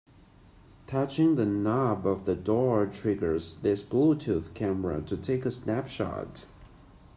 Touching the knob of the door triggers this Bluetooth camera to take a snapshot.